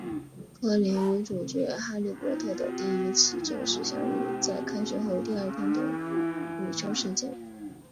柯林与主角哈利波特的第一次正式相遇在开学后第二天的午休时间。